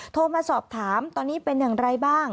โทรมาสอบถามตอนนี้เป็นอย่างไรบ้าง